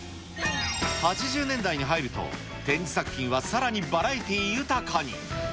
８０年代に入ると、展示作品はさらにバラエティー豊かに。